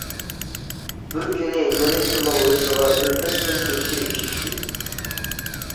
— بىر كۈنى مېنى تۈرمە ھويلىسىغا بىر پەس كۈن كۆرۈشكە ئېلىپ چىقىشتى.